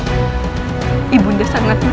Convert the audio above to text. perguruan ini tidak sampai berakhir